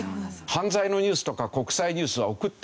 犯罪のニュースとか国際ニュースは送ってこない。